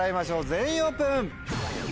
全員オープン。